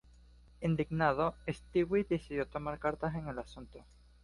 Indignado, Stewie decide tomar cartas en el asunto.